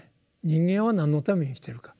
人間は何のために生きてるか。